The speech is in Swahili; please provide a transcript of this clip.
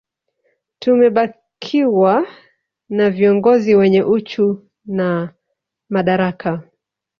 Tumebakiwa na viongozi wenye uchu na madaraka